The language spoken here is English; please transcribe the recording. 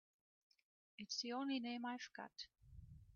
It's the only name I've got.